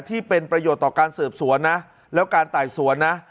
ที่เป็นประโยชน์ต่อการสืบสวนนะแล้วการไต่สวนนะ